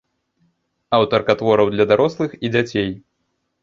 Аўтарка твораў для дарослых і дзяцей.